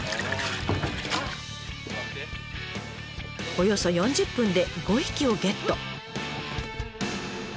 およそ４０分で５匹をゲット。